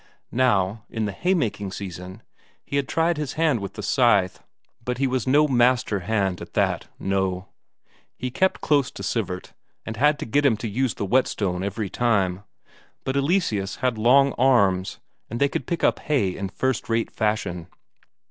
Now, in the haymaking season, he had tried his hand with the scythe but he was no master hand at that, no. He kept close to Sivert, and had to get him to use the whetstone every time. But Eleseus had long arms and could pick up hay in first rate fashion.